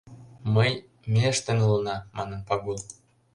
Мый... ме ыштен улына, — манын Пагул.